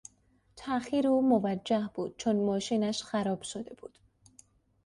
تاخیر او موجه بود چون ماشینش خراب شده بود.